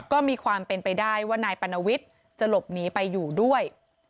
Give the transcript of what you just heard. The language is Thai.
ก็มีความเป็นไปได้ว่านายปัณวิทย์จะหลบหนีไปอยู่ด้วย